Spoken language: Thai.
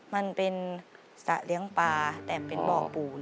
มันเป็นสระเลี้ยงปลาแต่เป็นบ่อปูน